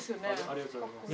ありがとうございます。